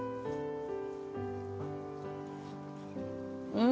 うん！